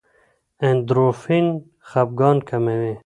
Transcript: اندورفین خپګان کموي.